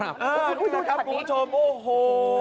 อ้าวถ้าสมมุติว่าผู้ชมโอ้โห